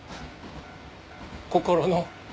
心の。